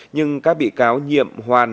nhưng các bị cáo nhiệm hoàn